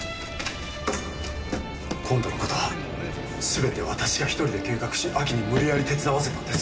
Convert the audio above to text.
今度の事は全て私が一人で計画しアキに無理矢理手伝わせたんです。